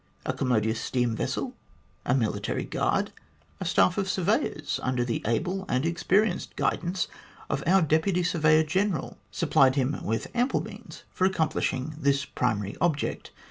A commodious steam vessel, a military guard, a staff of surveyors under the able and experienced guidance of our Deputy Survey or General, supplied him with ample means for accomplishing this primary object.